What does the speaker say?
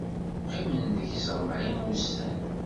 Qqimen deg-s ṛebɛin n wussan.